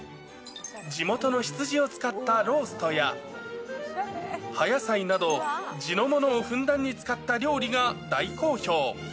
地元の羊を使ったローストや、葉野菜など、地のものをふんだんに使った料理が大好評。